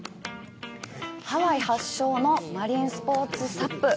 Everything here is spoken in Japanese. ハワイ発祥のマリンスポーツ、ＳＵＰ。